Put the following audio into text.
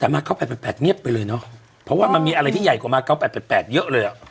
มาเก้า๘๘๘เงียบไปเลยเนาะเพราะว่ามันมีอะไรที่ใหญ่กว่ามาเก้า๘๘๘เยอะเลยอะ